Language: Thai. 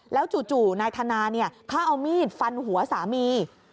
แล้วจู่นายธนาเขาเอามีดฟันหัวสามี